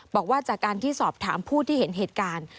บอกว่าจากการที่สอบถามผู้ที่เห็นเหตุการณ์